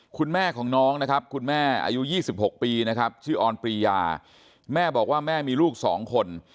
คุณแม่ของน้องนะครับคุณแม่อายุ๒๖ปีนะครับชื่อออนปรียาแม่บอกว่าแม่มีลูก๒คน